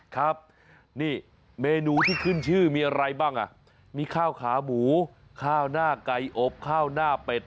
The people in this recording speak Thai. ครับนี่เมนูที่ขึ้นชื่อมีอะไรบ้างอ่ะมีข้าวขาหมูข้าวหน้าไก่อบข้าวหน้าเป็ด